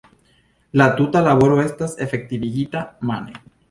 La tuta laboro estas efektivigita mane.